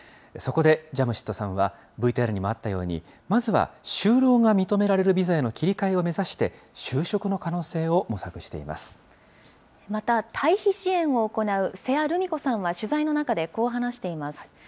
そこでジャムシッドさんは、ＶＴＲにもあったように、まずは就労が認められるビザへの切り替えを目指して、就職の可能また、退避支援を行う瀬谷ルミ子さんは取材の中でこう話しています。